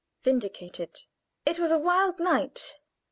VINDICATED. It was a wild night.